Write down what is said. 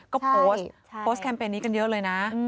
ก็โพสต์โพสต์แคมเปญนี้กันเยอะเลยนะ